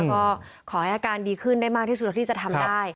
ก็ขอให้อาการดีขึ้นได้มากที่สุดแล้วที่จะทำได้